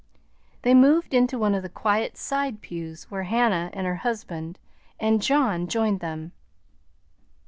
They moved into one of the quiet side pews, where Hannah and her husband and John joined them.